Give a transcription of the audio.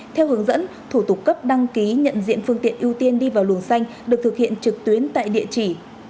theo hướng dẫn thủ tục cấp đăng ký nhận diện phương tiện ưu tiên đi vào luồng xanh được thực hiện trực tuyến tại địa chỉ